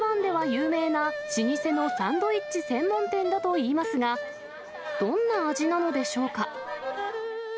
台湾では有名な、老舗のサンドイッチ専門店だといいますが、どんな味なのでしょうか。